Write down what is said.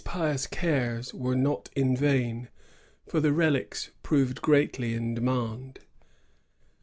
168 These piotis cares were not in vain, for the relics proved greatly in demand.